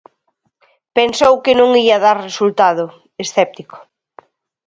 Pensou que non ía dar resultado, escéptico.